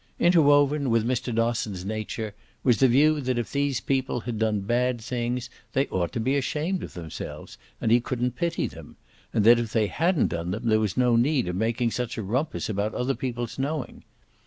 Interwoven with Mr. Dosson's nature was the view that if these people had done bad things they ought to be ashamed of themselves and he couldn't pity them, and that if they hadn't done them there was no need of making such a rumpus about other people's knowing.